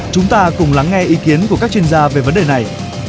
chúng ta cùng lắng nghe ý kiến của các chuyên gia về vấn đề này